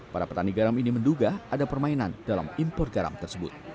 para petani garam ini menduga ada permainan dalam impor garam tersebut